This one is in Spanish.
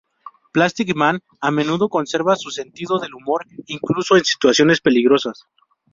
Plastic Man a menudo conserva su sentido del humor incluso en situaciones peligrosas.